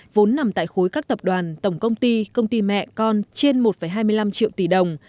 vốn nằm tại khối các tập đoàn tổng công ty công ty mẹ con trên một hai mươi năm triệu tỷ đồng